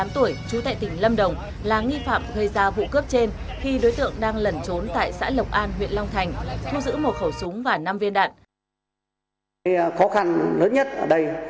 tám tuổi trú tại tỉnh lâm đồng là nghi phạm gây ra vụ cướp trên khi đối tượng đang lẩn trốn tại xã lộc an huyện long thành thu giữ một khẩu súng và năm viên đạn